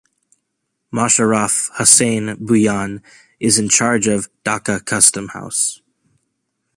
Mosharraf Hossain Bhuiyan is in charge of Dhaka Custom House.